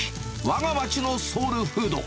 わが町のソウルフード。